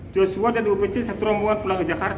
joshua dan ibu pece satu rombongan pulang ke jakarta